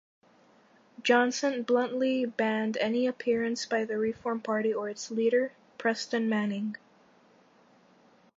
Johnson bluntly banned any appearance by the Reform Party or its leader, Preston Manning.